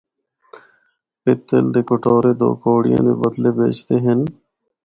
پتل دے کٹورے دو کوڑیاں دے بدلے بیچدے ہن۔